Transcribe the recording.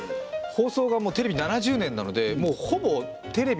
放送がもうテレビ７０年なのでもうほぼテレビ放送